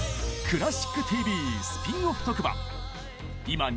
「クラシックＴＶ」スピンオフ特番！